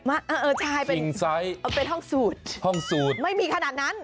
เออเออใช่เป็นห้องสูตรไม่มีขนาดนั้น